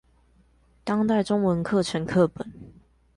當代中文課程課本